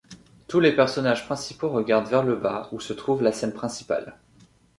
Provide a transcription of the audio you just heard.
Tous les personnages principaux regardent vers le bas où se trouve la scène principale.